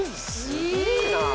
すげえな。